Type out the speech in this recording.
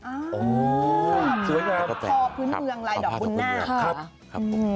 อ๋อพอพื้นเมืองลายดอกพุนหน้ากัน